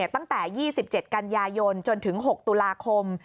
ตั้งแต่๒๗กันยายนจนถึง๖ตุลาคม